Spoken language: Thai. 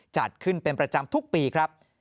จัดขึ้นเป็นประจำทุกปีครับ